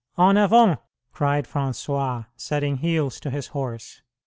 "En avant!" cried François, setting heels to his horse.